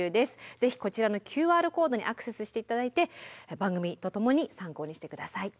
ぜひこちらのＱＲコードにアクセスして頂いて番組とともに参考にして下さい。